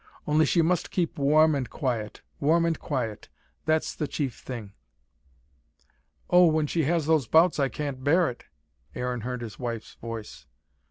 Only she must be kept warm and quiet warm and quiet that's the chief thing." "Oh, when she has those bouts I can't bear it," Aaron heard his wife's voice.